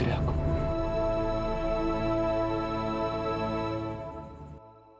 kamu itu ngambil requisit